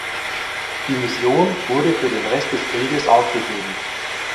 Die Mission wurde für den Rest des Krieges aufgegeben.